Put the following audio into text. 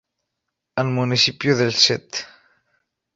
Al municipio de St.